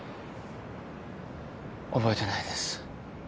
覚えてないです。